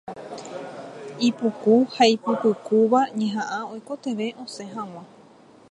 Ipuku ha ipypukúva ñehaʼã oikotevẽ osẽ haḡua.